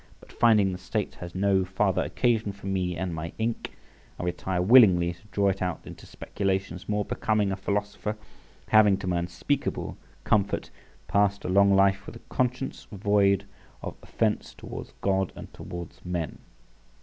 But finding the State has no farther occasion for me and my ink, I retire willingly to draw it out into speculations more becoming a philosopher, having, to my unspeakable comfort, passed a long life with a conscience void of offence towards God and towards men.